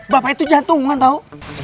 bapak itu jantungan tau